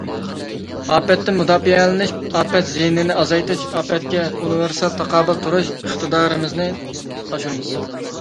ئاپەتتىن مۇداپىئەلىنىش، ئاپەت زىيىنىنى ئازايتىش، ئاپەتكە ئۇنىۋېرسال تاقابىل تۇرۇش ئىقتىدارىمىزنى ئاشۇرىمىز.